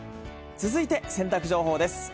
続いて洗濯情報です。